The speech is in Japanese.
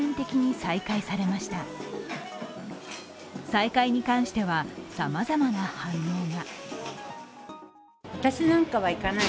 再開に関してはさまざまな反応が。